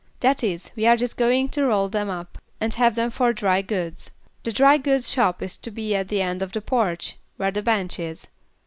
"That is, we are just going to roll them up and have them for dry goods. The dry goods shop is to be at the end of the porch, where the bench is.